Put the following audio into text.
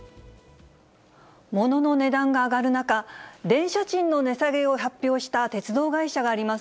物の値段が上がる中、電車賃の値下げを発表した鉄道会社があります。